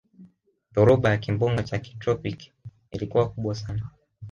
dhoruba ya kimbunga cha kitropiki ilikuwa kubwa sana